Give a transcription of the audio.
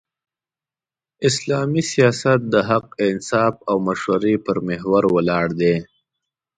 اسلامي سیاست د حق، انصاف او مشورې پر محور ولاړ دی.